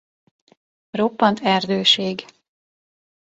Roppant erdőség.